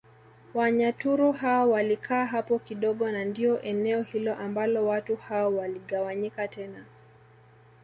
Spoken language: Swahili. Wanyaturu hao walikaa hapo kidogo na ndio eneo hilo ambalo watu hao waligawanyika tena